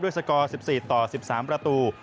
ด้วยสกอร์๑๔๑๓ประตู